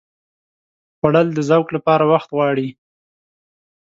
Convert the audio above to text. خوړل د ذوق لپاره وخت غواړي